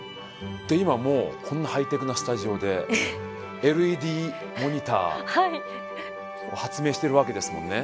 で今もうこんなハイテクなスタジオでＬＥＤモニター発明してるわけですもんね。